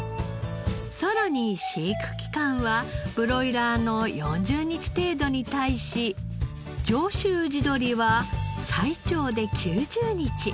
さらに飼育期間はブロイラーの４０日程度に対し上州地鶏は最長で９０日。